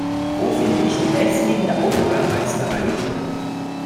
Wo finde ich die nächstliegende Autobahnmeisterei?